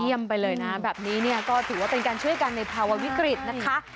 ไปเลยนะแบบนี้เนี่ยก็ถือว่าเป็นการช่วยกันในภาวะวิกฤตนะคะ